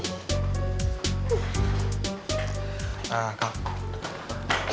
jangan jadikan diri